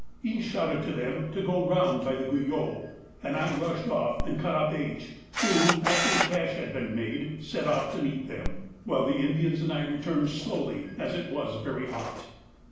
E. shouted to them to go round by the Guyot, and I rushed off and caught up H., who, after the cache had been made, set off to meet them, while the Indians and I returned slowly as it was very hot.